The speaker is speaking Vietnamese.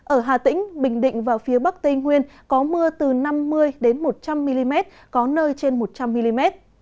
ở hà tĩnh bình định và phía bắc tây nguyên có mưa từ năm mươi một trăm linh mm có nơi trên một trăm linh mm